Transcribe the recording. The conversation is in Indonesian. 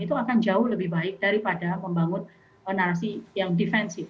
itu akan jauh lebih baik daripada membangun narasi yang defensif